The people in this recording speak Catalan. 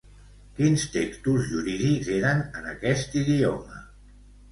Quins textos jurídics eren en aquest idioma?